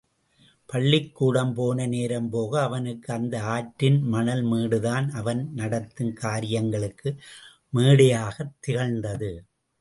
பள்ளிக் கூடம் போன நேரம் போக, அவனுக்கு அந்த ஆற்றின் மணல்மேடுதான், அவன் நடத்தும் காரியங்களுக்கு மேடையாகத் திகழ்ந்தது.